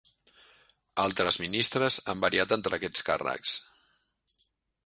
Altres ministres han variat entre aquests càrrecs.